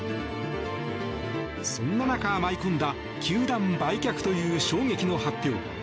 そんな中、舞い込んだ球団売却という衝撃の発表。